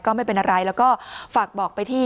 ไม่เป็นอะไรแล้วก็ฝากบอกไปที่